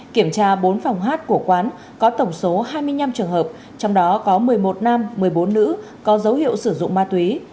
kiểm tra bốn phòng hát của quán có tổng số hai mươi năm trường hợp trong đó có một mươi một nam một mươi bốn nữ có dấu hiệu sử dụng ma túy